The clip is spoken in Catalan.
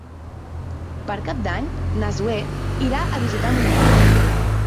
Per Cap d'Any na Zoè irà a visitar mon oncle.